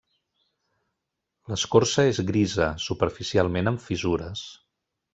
L'escorça és grisa, superficialment amb fissures.